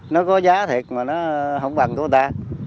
nó có giá thiệt mà nó không bằng của người ta